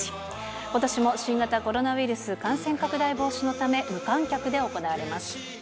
ことしも新型コロナウイルス感染拡大防止のため、無観客で行われます。